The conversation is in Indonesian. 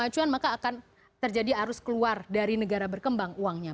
acuan maka akan terjadi arus keluar dari negara berkembang uangnya